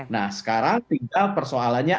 nah sekarang tinggal persoalannya